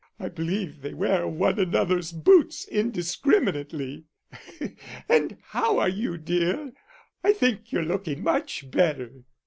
I believe they wear one another's boots indiscriminately.... And how are you, dear? I think you're looking much better."